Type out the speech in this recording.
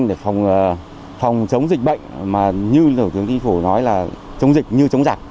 để phòng chống dịch bệnh mà như thủ tướng chính phủ nói là chống dịch như chống giặc